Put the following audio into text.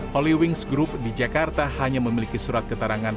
holy wings group di jakarta hanya memiliki surat keterangan